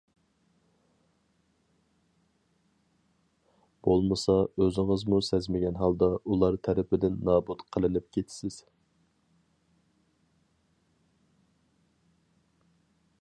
بولمىسا، ئۆزىڭىزمۇ سەزمىگەن ھالدا ئۇلار تەرىپىدىن نابۇت قىلىنىپ كېتىسىز.